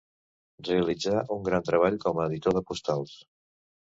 Realitzà un gran treball com a editor de postals.